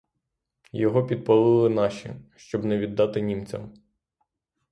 Його підпалили наші, щоб не віддати німцям.